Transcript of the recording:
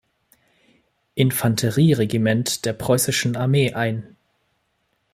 Infanterieregiment der Preußischen Armee ein.